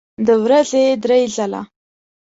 د ورځې درې ځله